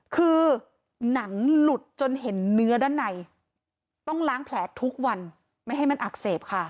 คือหนังหลุดจนเห็นเนื้อด้านในต้องล้างแผลทุกวันไม่ให้มันอักเสบค่ะ